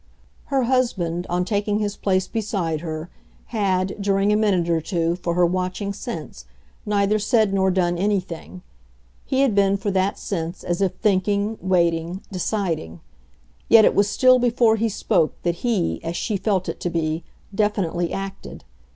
Her husband, on taking his place beside her, had, during a minute or two, for her watching sense, neither said nor done anything; he had been, for that sense, as if thinking, waiting, deciding: yet it was still before he spoke that he, as she felt it to be, definitely acted.